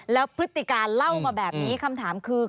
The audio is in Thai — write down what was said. แล้วพฤติการเล่ามาแบบนี้คำถามคือ